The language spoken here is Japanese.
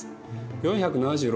４７６年